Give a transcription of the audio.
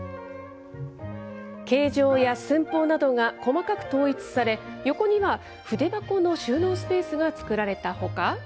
形状や寸法などが細かく統一され、横には筆箱の収納スペースが作られたほか。